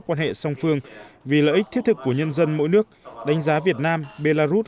quan hệ song phương vì lợi ích thiết thực của nhân dân mỗi nước đánh giá việt nam belarus